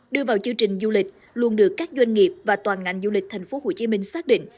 đưa vào chương trình du lịch luôn được các doanh nghiệp và toàn ngành du lịch tp hcm xác định